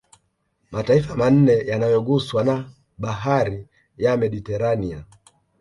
Mataifa manne yanayoguswa na bahari ya Mediterania